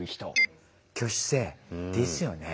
挙手制。ですよね。